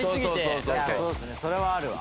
それはあるわ。